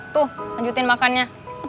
tuh lanjutin makannya